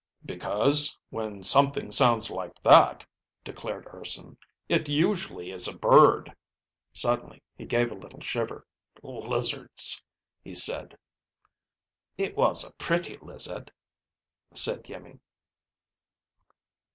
"Because when something sounds like that," declared Urson, "it usually is a bird!" Suddenly he gave a little shiver. "Lizards," he said. "It was a pretty lizard," said Iimmi.